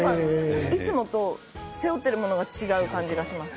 いつもと背負っているものが違う感じがします